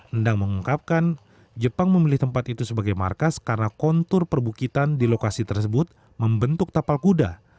endang mengungkapkan jepang memilih tempat itu sebagai markas karena kontur perbukitan di lokasi tersebut membentuk tapal kuda